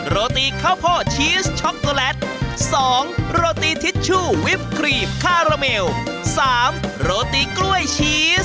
โรตีข้าวโพดชีสช็อกโกแลต๒โรตีทิชชู่วิปครีมคาราเมล๓โรตีกล้วยชีส